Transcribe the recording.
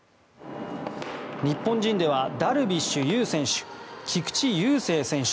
日本人ではダルビッシュ有選手菊池雄星選手。